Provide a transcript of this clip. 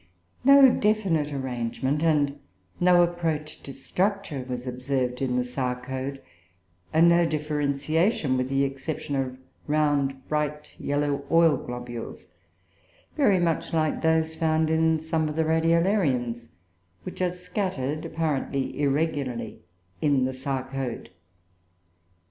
No definite arrangement and no approach to structure was observed in the sarcode, and no differentiation, with the exception of round bright yellow oil globules, very much like those found in some of the radiolarians, which are scattered, apparently irregularly, in the sarcode.